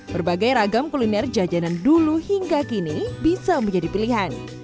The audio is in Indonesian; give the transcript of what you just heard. berbagai ragam kuliner jajanan dulu hingga kini bisa menjadi pilihan